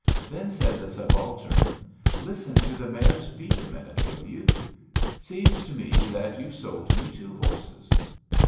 Then said the subaltern :^* Listen to the mare's beat a minute, will you? Seems to me that you've sold me two horses."